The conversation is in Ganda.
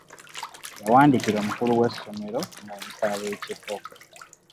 Yawandiikira omukulu w’essomero ng’amusaba ekifo.